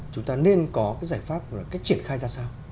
chúng ta nên có cái giải pháp cách triển khai ra sao